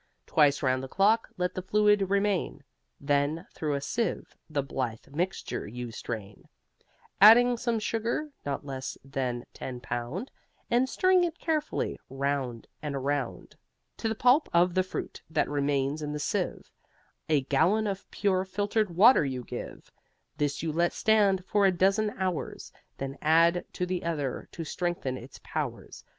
Twice round the clock let the fluid remain, Then through a sieve the blithe mixture you strain, Adding some sugar (not less than ten pound) And stirring it carefully, round and around. To the pulp of the fruit that remains in the sieve A gallon of pure filtered water you give: This you let stand for a dozen of hours, Then add to the other to strengthen its powers.